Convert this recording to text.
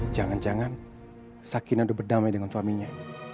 jangan jangan sakina udah berdamai dengan suaminya